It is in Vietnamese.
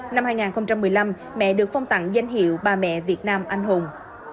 năm hai nghìn một mươi năm mẹ được phong tặng danh hiệu bà mẹ việt nam anh hùng